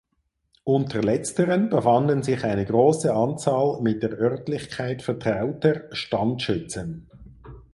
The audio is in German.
Unter letzteren befanden sich eine große Anzahl mit der Örtlichkeit vertrauter Standschützen.